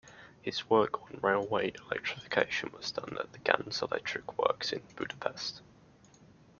His work on railway electrification was done at the Ganz electric works in Budapest.